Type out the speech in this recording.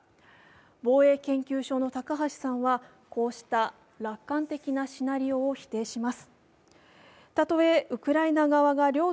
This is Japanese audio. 防衛研究所の高橋さんは、こうした楽観的なシナリオを否定します。